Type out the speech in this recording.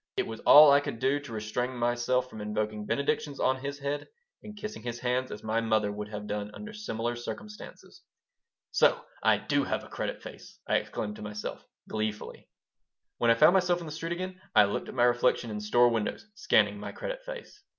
It was all I could do to restrain myself from invoking benedictions on his head and kissing his hands as my mother would have done under similar circumstances "So I do have a 'credit face'!" I exclaimed to myself, gleefully When I found myself in the street again I looked at my reflection in store windows, scanning my "credit face."